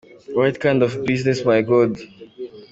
what kind of business my God.